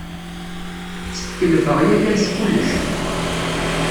Setkelfeɣ yakan s kullec.